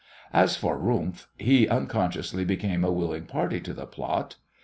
As for Rumf, he unconsciously became a willing party to the plot.